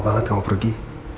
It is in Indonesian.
lama banget kamu pergi